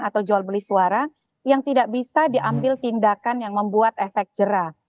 atau jual beli suara yang tidak bisa diambil tindakan yang membuat efek jerah